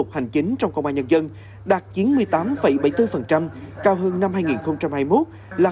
chín mươi tám bảy mươi bốn cao hơn năm hai nghìn hai mươi một là bảy mươi tám